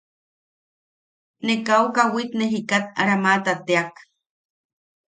Ne kau kawit ne jikat ramaata teak.